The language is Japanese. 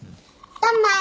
ドンマイ。